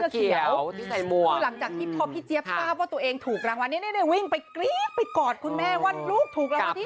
คือหลังจากที่พอพี่เจี๊ยบทราบว่าตัวเองถูกรางวัลนี้วิ่งไปกรี๊ดไปกอดคุณแม่ว่าลูกถูกรางวัลที่